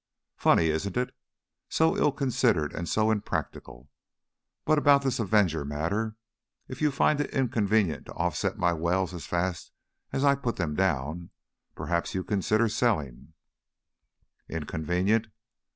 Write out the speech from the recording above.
Funny, isn't it? So ill considered and so impracticable. But about this Avenger matter, if you find it inconvenient to offset my wells as fast as I put them down, perhaps you'd consider selling " "_Inconvenient?